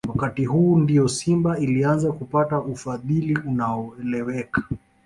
Wakati huu ndio Simba ilianza kupata ufadhili unaoeleweka